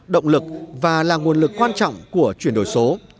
động lực và là nguồn lực quan trọng của chuyển đổi số